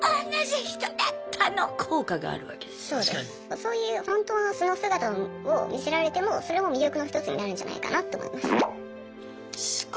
そういう本当の素の姿を見せられてもそれも魅力のひとつになるんじゃないかなと思います。